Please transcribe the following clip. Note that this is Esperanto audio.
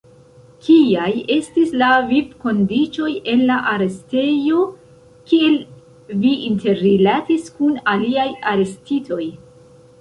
Kiaj estis la vivkondiĉoj en la arestejo, kiel vi interrilatis kun aliaj arestitoj?